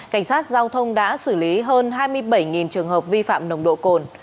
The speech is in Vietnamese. cảnh sát giao thông đã xử lý hơn hai mươi bảy trường hợp vi phạm nồng độ cồn